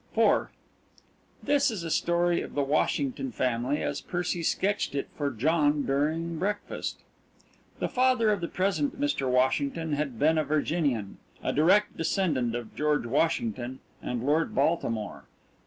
IV This is a story of the Washington family as Percy sketched it for John during breakfast. The father of the present Mr. Washington had been a Virginian, a direct descendant of George Washington, and Lord Baltimore.